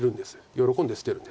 喜んで捨てるんです。